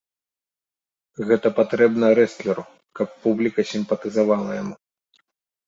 Гэта патрэбна рэстлеру, каб публіка сімпатызавала яму.